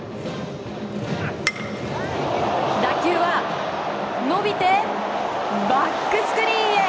打球は伸びてバックスクリーンへ！